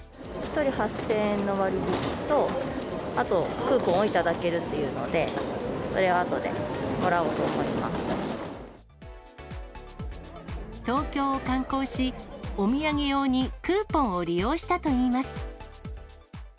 １人８０００円の割引と、あとクーポンを頂けるというので、東京を観光し、お土産用にクーポンを利用したといいます。